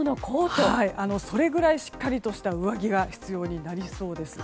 それくらいしっかりとした上着が必要になりそうです。